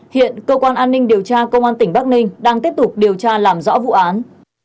hiện cơ quan an ninh điều tra công an tỉnh bắc ninh đang tiếp tục điều tra làm rõ vụ án